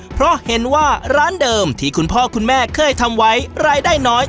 เพราะเห็นว่าร้านเดิมที่คุณพ่อคุณแม่เคยทำไว้รายได้น้อย